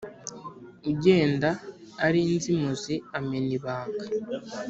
ugenda ari inzimuzi amena ibanga,